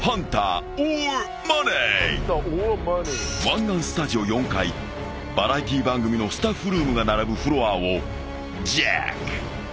［湾岸スタジオ４階バラエティー番組のスタッフルームが並ぶフロアをジャック］